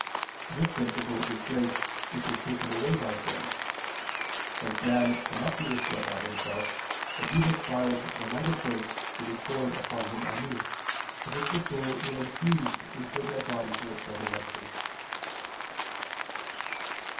This principle is grace which is taken away by sin. Hence man cannot be restored by himself; but he requires the light of grace to be poured upon him anew, as if the soul were infused into a dead body for its resurrection.